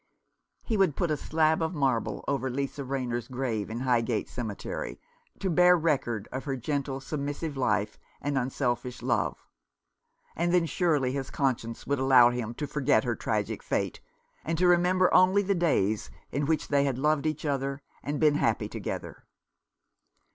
He would put a slab of marble over Lisa Rayner's grave in Highgate Cemetery, to bear record of her gentle submissive life and unselfish love ; and then surely his conscience would allow him to forget her tragic fate, and to remember only the days in which they had loved each other, and been happy together.